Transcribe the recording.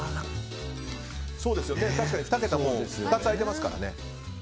確かに２桁２つ空いていますからね。